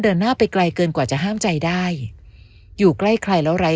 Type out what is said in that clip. หน้าไปไกลเกินกว่าจะห้ามใจได้อยู่ใกล้ใครแล้วไร้